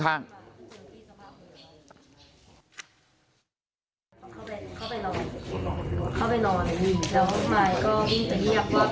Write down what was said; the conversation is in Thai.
เข้าไปนอนเข้าไปนอนแล้วมายก็วิ่งตะเงียบว่าพี่อยากกลุ่นรัน